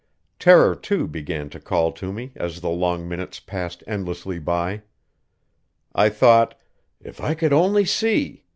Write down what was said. Terror, too, began to call to me as the long minutes passed endlessly by. I thought, "If I could only see!"